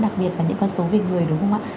đặc biệt là những con số về người đúng không ạ